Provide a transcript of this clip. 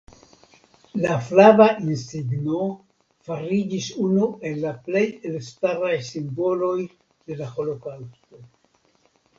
La flava insigno fariĝis unu el la plej elstaraj simboloj de la holokaŭsto.